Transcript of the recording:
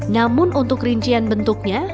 namun untuk rincian bentuknya